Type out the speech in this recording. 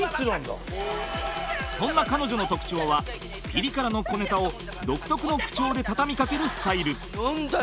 そんな彼女の特徴はピリ辛の小ネタを独特の口調で畳み掛けるスタイル